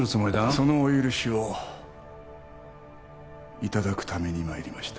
そのお許しをいただくために参りました